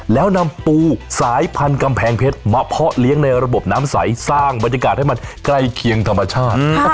แล้วนำปูสายพันธุ์กำแพงเพชรมาเพาะเลี้ยงในระบบน้ำใสสร้างบรรยากาศให้มันใกล้เคียงธรรมชาติ